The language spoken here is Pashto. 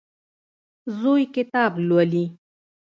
زوی کتاب لولي.